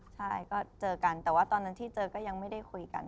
ใช่ก็เจอกันแต่ว่าตอนนั้นที่เจอก็ยังไม่ได้คุยกัน